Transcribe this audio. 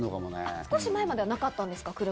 少し前はなかったんですか？